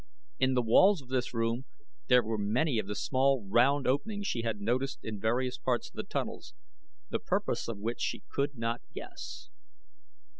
In the walls of this room there were many of the small, round openings she had noticed in various parts of the tunnels, the purpose of which she could not guess.